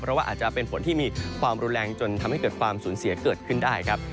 เพราะว่าอาจจะเป็นฝนที่มีความรุนแรงจนทำให้เกิดความสูญเสียเกิดขึ้นได้ครับ